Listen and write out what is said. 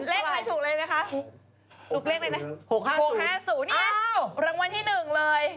เลขใครถูกเลยไหมคะถูกเลขเลยไหมหกห้าสูนนี่ไงรางวัลที่หนึ่งเลย